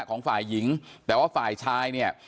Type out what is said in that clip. ของฝ่ายหญิงแต่ว่าฝ่ายชายเนี่ย